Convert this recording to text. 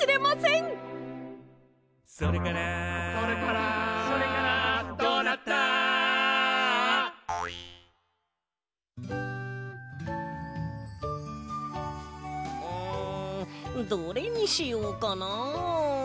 んどれにしようかな。